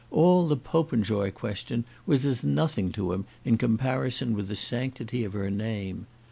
All the Popenjoy question was as nothing to him in comparison with the sanctity of her name.